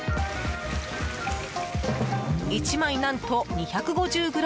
１枚、何と２５０ｇ！